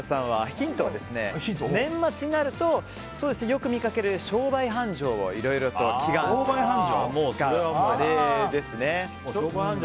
ヒントは年末になるとよく見かける商売繁盛をいろいろと祈願する。